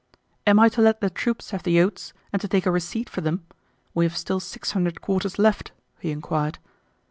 "Am I to let the troops have the oats, and to take a receipt for them? We have still six hundred quarters left," he inquired.